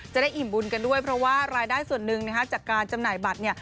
อิ่มบุญกันด้วยเพราะว่ารายได้ส่วนหนึ่งนะคะจากการจำหน่ายบัตรเนี่ย